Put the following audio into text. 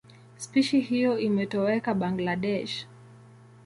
Spishi hiyo imetoweka Bangladesh.